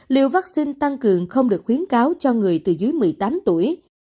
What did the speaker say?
liệu vắc xin tăng cường không được khuyến cáo cho người từ dưới một mươi tám tuổi